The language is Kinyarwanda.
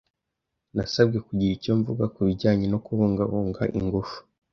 Nasabwe kugira icyo mvuga kubijyanye no kubungabunga ingufu.